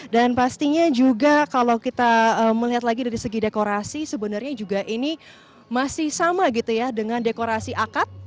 dan pastinya juga kalau kita melihat lagi dari segi dekorasi sebenarnya juga ini masih sama gitu ya dengan dekorasi akad